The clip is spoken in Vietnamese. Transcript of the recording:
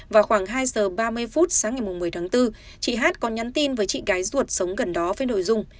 vào khoảng hai giờ ba mươi phút sáng ngày một mươi tháng bốn chị hát còn nhắn tin với chị gái ruột sống gần đó với nội dung